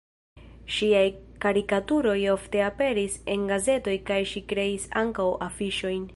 Ŝiaj karikaturoj ofte aperis en gazetoj kaj ŝi kreis ankaŭ afiŝojn.